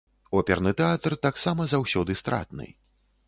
Оперны тэатр таксама заўсёды стратны.